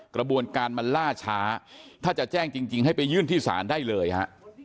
กระบวนการมันล่าช้าถ้าจะแจ้งจริงให้ไปยื่นที่ศาลได้เลยฮะ